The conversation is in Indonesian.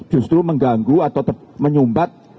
justru mengganggu atau menyumbat